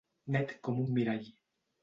Net com un mirall.